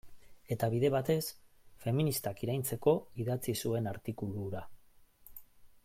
Eta bide batez, feministak iraintzeko idatzi zuen artikulu hura.